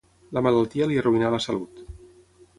La malaltia li arruïnà la salut.